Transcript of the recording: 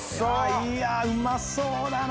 いやうまそうだな。